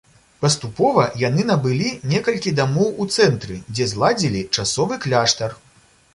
Паступова яны набылі некалькі дамоў у цэнтры, дзе зладзілі часовы кляштар.